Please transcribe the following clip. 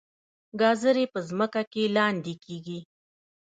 ګازرې په ځمکه کې لاندې کیږي